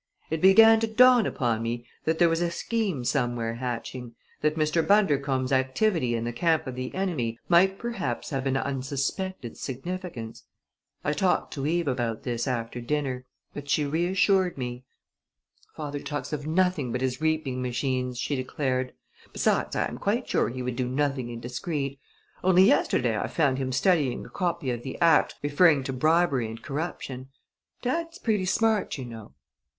It began to dawn upon me that there was a scheme somewhere hatching; that Mr. Bundercombe's activity in the camp of the enemy might perhaps have an unsuspected significance. I talked to Eve about this after dinner; but she reassured me. "Father talks of nothing but his reaping machines," she declared. "Besides, I am quite sure he would do nothing indiscreet. Only yesterday I found him studying a copy of the act referring to bribery and corruption. Dad's pretty smart, you know!"